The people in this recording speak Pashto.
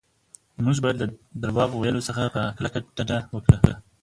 موږ باید له درواغ ویلو څخه په کلکه ډډه وکړو.